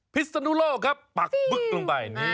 พิศนุโลกครับปักบึกลงไป